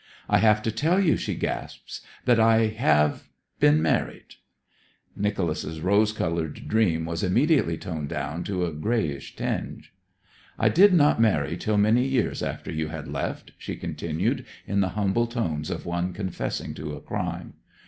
'I have to tell you,' she gasped, 'that I have been married.' Nicholas's rose coloured dream was immediately toned down to a greyish tinge. 'I did not marry till many years after you had left,' she continued in the humble tones of one confessing to a crime.